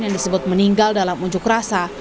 yang disebut meninggal dalam unjuk rasa